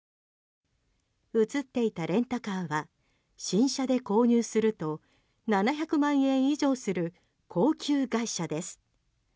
写っていたレンタカーは新車で購入すると７００万円以上する高級外車です。